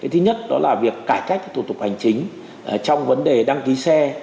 thứ nhất đó là việc cải cách thủ tục hành chính trong vấn đề đăng ký xe